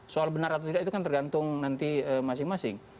soal benar atau tidak itu kan tergantung nanti masing masing